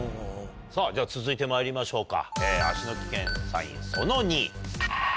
さぁじゃあ続いてまいりましょうか。